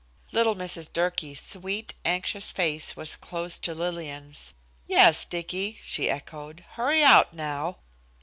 Little Mrs. Durkee's sweet, anxious face was close to Lillian's. "Yes, Dicky," she echoed, "hurry out now."